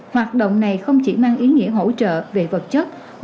hoạt động này không chỉ mang ý nghĩa hỗ trợ về vật chất